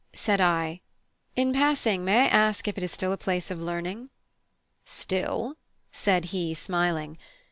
Said I: "In passing, may I ask if it is still a place of learning?" "Still?" said he, smiling.